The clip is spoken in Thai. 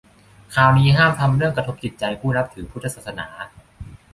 คราวนี้ห้ามทำเรื่องกระทบจิตใจผู้นับถือพุทธศาสนา